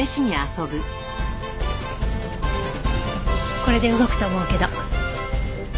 これで動くと思うけど。